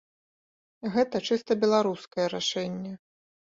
Гэта чыста беларускае рашэнне.